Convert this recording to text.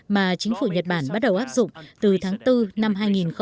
mà chính phủ nhật bản bắt đầu áp dụng từ tháng bốn năm hai nghìn một mươi